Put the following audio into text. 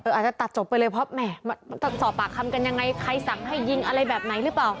อาจจะตัดจบไปเลยเพราะแม่สอบปากคำกันยังไงใครสั่งให้ยิงอะไรแบบไหนหรือเปล่า